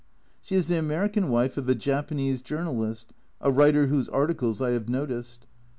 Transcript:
She is the American wife of a Japanese journalist a writer whose articles I have noticed.